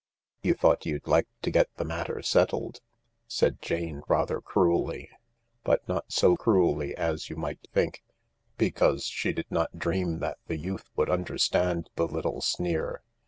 " You thought you'd like to get the matter settled ?" said Jane, rather cruelly, but not so cruelly as you might think, because she did not dream that the youth would understand the little sneer.